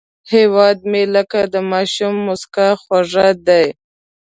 هیواد مې لکه د ماشوم موسکا خوږ دی